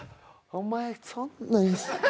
お前そんなやつ。